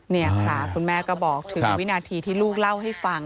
นี่ค่ะคุณแม่ก็บอกถึงวินาทีที่ลูกเล่าให้ฟัง